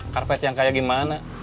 karpet yang kayak gimana